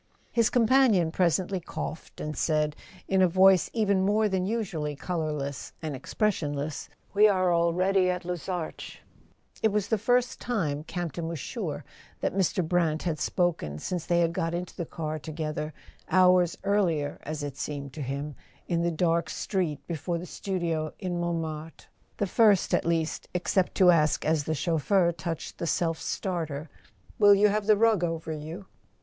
.. His companion presently coughed, and said, in a voice even more than usually colourless and expres¬ sionless: "We are at Luzarches already." It was the first time, Campton was sure, that Mr. Brant had spoken since they had got into the car to¬ gether, hours earlier as it seemed to him, in the dark street before the studio in Montmartre; the first, at least, except to ask, as the chauffeur touched the self¬ starter: "Will you have the rug over you?"